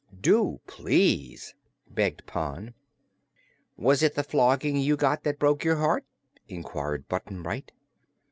"Do, please!" begged Pon. "Was it the flogging you got that broke your heart?" inquired Button Bright.